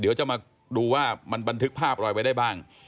เดี๋ยวจะมาดูว่ามันบันทึกภาพอะไรไว้ได้บ้าง